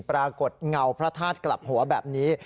เงาพระธาตุกลับหัวแบบนี้